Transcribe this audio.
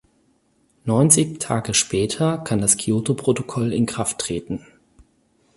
Neunzig Tage später kann das Kyoto-Protokoll in Kraft treten.